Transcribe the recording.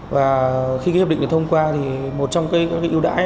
và khi hiệp định được thông qua thì một trong các cái ưu đãi